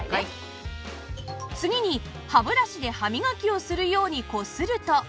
次に歯ブラシで歯磨きをするようにこすると